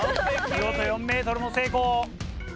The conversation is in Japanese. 見事４ｍも成功。